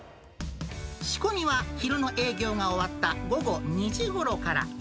仕込みは昼の営業が終わった午後２時ごろから。